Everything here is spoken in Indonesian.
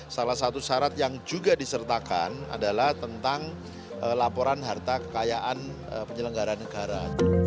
salah satu syarat yang juga disertakan adalah tentang laporan harta kekayaan penyelenggara negara